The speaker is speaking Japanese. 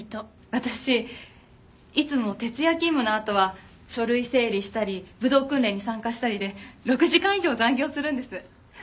私いつも徹夜勤務のあとは書類整理したり武道訓練に参加したりで６時間以上残業するんです。